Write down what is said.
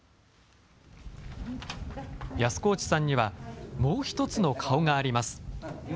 安河内さんには、もう一つの顔があります。